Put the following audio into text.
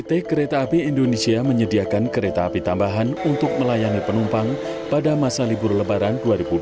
pt kereta api indonesia menyediakan kereta api tambahan untuk melayani penumpang pada masa libur lebaran dua ribu dua puluh